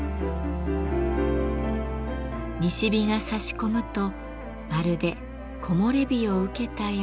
西日がさし込むとまるで木漏れ日を受けたよう。